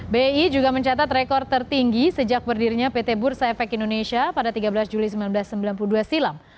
bi juga mencatat rekor tertinggi sejak berdirinya pt bursa efek indonesia pada tiga belas juli seribu sembilan ratus sembilan puluh dua silam